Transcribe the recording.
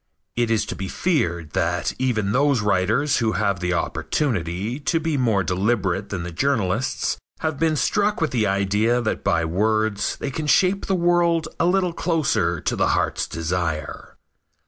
It is to be feared that even those writers who have the opportunity to be more deliberate than the journalists have been struck with the idea that by words they can shape the world a little closer to the heart's desire.